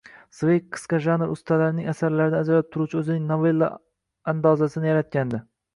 Sveyg qisqa janr ustalarining asarlaridan ajralib turuvchi o`zining novella andazasini yaratgandi